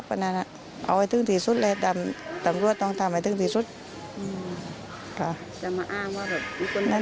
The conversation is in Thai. แต่ก็ยินดีให้เขามาใช่ไหมถ้าเขาจะมา